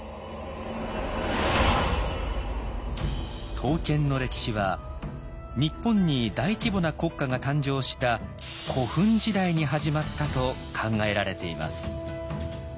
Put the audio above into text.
刀剣の歴史は日本に大規模な国家が誕生した古墳時代に始まったと考えられています。